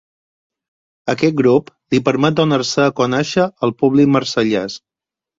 Aquest grup li permet donar-se a conèixer al públic marsellès.